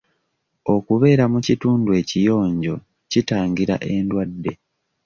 Okubeera mu kitundu ekiyonjo kitangira endwadde.